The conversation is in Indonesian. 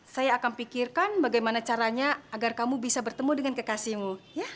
saya akan pikirkan bagaimana caranya agar kamu bisa bertemu dengan kekasihmu